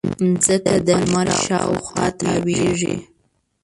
مځکه د لمر شاوخوا تاوېږي.